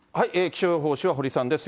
気象予報士は堀さんです。